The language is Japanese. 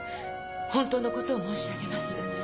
本当のことを申し上げます。